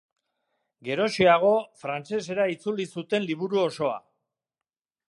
Geroxeago, frantsesera itzuli zuten liburu osoa.